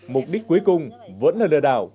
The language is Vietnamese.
mục đích cuối cùng vẫn là đời đàn